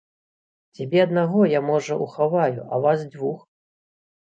Цябе аднаго я, можа, ухаваю, а вас двух?!